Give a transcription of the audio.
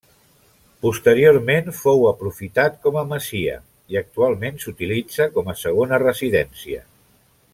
Posteriorment fou aprofitat com a masia i actualment s'utilitza com a segona residència.